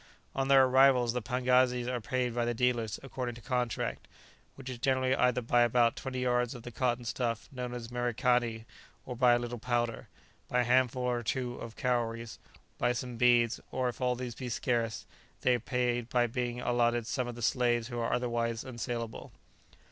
On their arrival the pagazis are paid by the dealers according to contract, which is generally either by about twenty yards of the cotton stuff known as merikani, or by a little powder, by a handful or two of cowries, by some beads, or if all these be scarce, they are paid by being allotted some of the slaves who are otherwise unsalable.